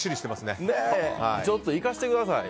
ちょっといかせてください。